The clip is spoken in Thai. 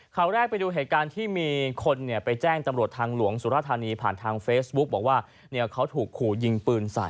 ข่าวแรกไปดูเหตุการณ์ที่มีคนเนี่ยไปแจ้งตำรวจทางหลวงสุรธานีผ่านทางเฟซบุ๊กบอกว่าเนี่ยเขาถูกขู่ยิงปืนใส่